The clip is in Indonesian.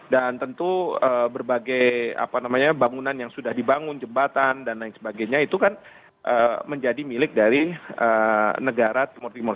dan tentu berbagai bangunan yang sudah dibangun jembatan dan lain sebagainya itu kan menjadi milik dari negara timur timur